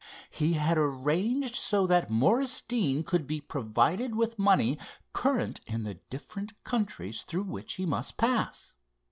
He had arranged so that Morris Deane could be provided with money current in the different countries through which he must pass.